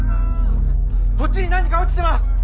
・こっちに何か落ちてます！